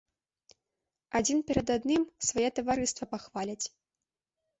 Адзін перад адным свае таварыства пахваляць.